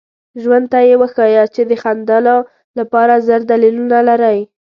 ژوند ته یې وښایاست چې د خندلو لپاره زر دلیلونه لرئ.